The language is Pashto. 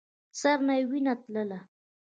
سر نه يې وينه تله.